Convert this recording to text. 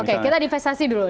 oke kita diversasi dulu